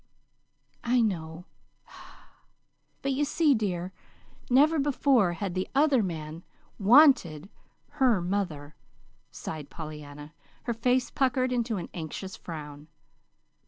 "I know; but, you see, dear, never before had the other man WANTED her mother," sighed Pollyanna, her face puckered into an anxious frown.